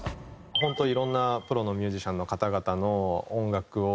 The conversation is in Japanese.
本当いろんなプロのミュージシャンの方々の音楽を。